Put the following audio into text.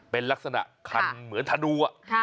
เป็นลักษณะขันเหมือนถาดัวค่ะ